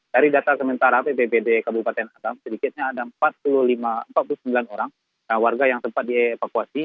dari data sementara bppd kabupaten atap sedikitnya ada empat puluh sembilan orang warga yang sempat dievakuasi